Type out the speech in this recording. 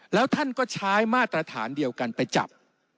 แล้วท่านก็ใช้มาตรฐานเดียวกันไปจับ